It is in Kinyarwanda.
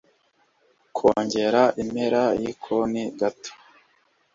Kongera impera yinkoni gato.